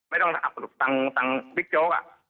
ไม่ต้องสั่งบิ๊กโจ้กอะ